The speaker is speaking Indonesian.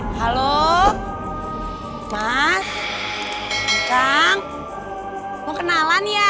halo mas kang mau kenalan ya